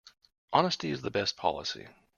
Honesty is the best policy.